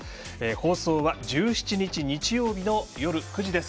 放送は１７日、日曜日の夜９時です。